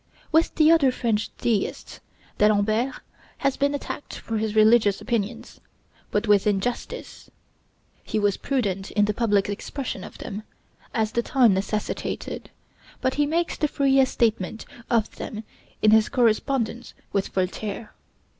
With the other French deists, D'Alembert has been attacked for his religious opinions, but with injustice. He was prudent in the public expression of them, as the time necessitated; but he makes the freest statement of them in his correspondence with Voltaire.